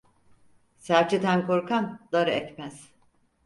Serçeden korkan darı ekmez.